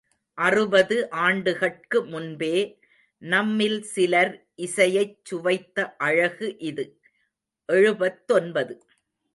அறுபது ஆண்டுகட்கு முன்பே— நம்மில் சிலர் இசையைச் சுவைத்த அழகு இது— எழுபத்தொன்பது.